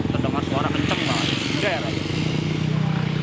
terdengar suara kenceng banget